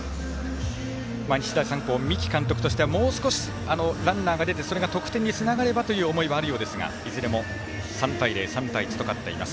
日大三高三木監督としては、もう少しランナーが出て得点につながればという思いがあるようですがいずれも３対０３対１と勝っています。